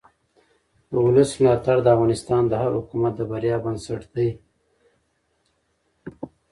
د ولس ملاتړ د افغانستان د هر حکومت د بریا بنسټ دی